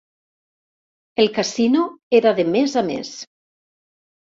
El casino era de més a més.